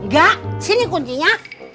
gak sini kuncinya